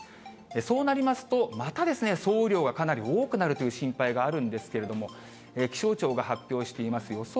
そうなりますと、また総雨量がかなり多くなるという心配があるんですけれども、気象庁が発表しています予想